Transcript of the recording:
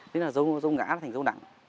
tức là dấu ngã thành dấu đẳng